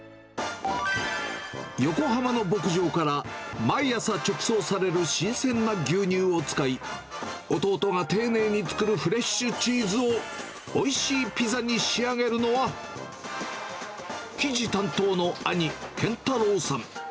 横浜の牧場から毎朝直送される新鮮な牛乳を使い、弟が丁寧に作るフレッシュチーズをおいしいピザに仕上げるのは、生地担当の兄、健太郎さん。